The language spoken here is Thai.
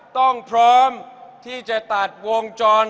พร้อมที่จะตัดวงจร